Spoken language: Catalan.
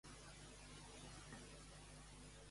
A més, què no deixarà que ocorri?